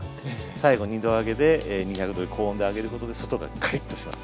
最後２度揚げで２００℃の高温で揚げることで外がカリッとします。